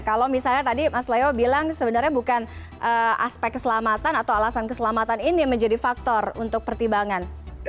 kalau misalnya tadi mas leo bilang sebenarnya bukan aspek keselamatan atau alasan keselamatan ini menjadi faktor untuk pertimbangan